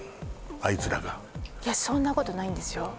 あいつらがそんなことないんですよ